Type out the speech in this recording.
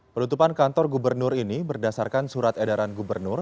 penutupan kantor gubernur ini berdasarkan surat edaran gubernur